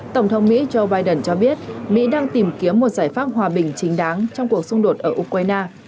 tổng thống mỹ joe biden cho biết mỹ đang tìm kiếm một giải pháp hòa bình chính đáng trong cuộc xung đột ở ukraine